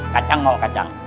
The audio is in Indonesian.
kacang mau kacang